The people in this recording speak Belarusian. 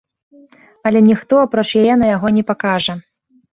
Але ніхто, апроч яе, на яго не пакажа.